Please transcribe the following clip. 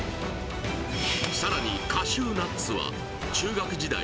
さらにカシューナッツは中学時代